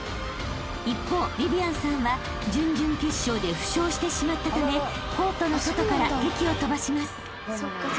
［一方ビビアンさんは準々決勝で負傷してしまったためコートの外からげきを飛ばします］